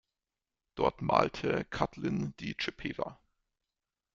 Dort malte Catlin die Chippewa.